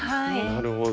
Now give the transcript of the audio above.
なるほど。